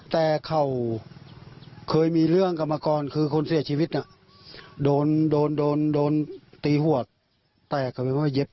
แต่เค้าเคยมีเรื่องกำลังก่อนคือคนเสียชีวิตน่ะโดนโดนโดนโดนตีหัว